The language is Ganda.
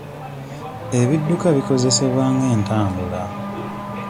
Ebidduka bikozesebwa ng'entambula.